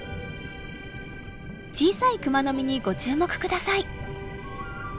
小さいクマノミにご注目ください。